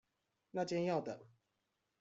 那間要等